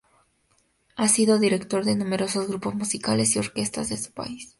Ha sido director de numerosos grupos musicales y orquestas de su país.